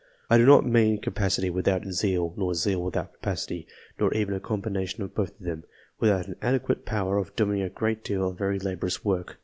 I do not mean capacity without zeal, nor zeal without capacity, nor even a com bination of both of them, without an adequate power of doing a great deal of very laborious work.